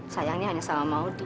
sayangnya hanya sama maudie